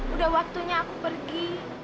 udah waktunya aku pergi